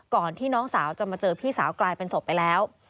ที่น้องสาวจะมาเจอพี่สาวกลายเป็นศพไปแล้ว